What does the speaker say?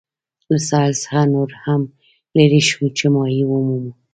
له ساحل څخه نور هم لیري شوو چې ماهي ومومو.